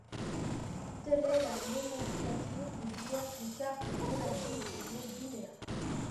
Telle est la nomenclature des diverses cartes relatives au monde lunaire.